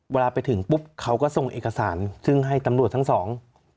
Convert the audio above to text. เวลาไปถึงปุ๊บเขาก็ส่งเอกสารซึ่งให้ตำรวจทั้งสอง